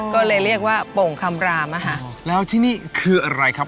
ก็เลยเรียกว่าโป่งคำรามอ่ะค่ะแล้วที่นี่คืออะไรครับ